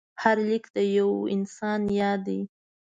هر لیک د یو انسان یاد دی.